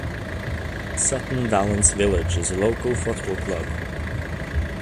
Sutton Valence Village is a local football club.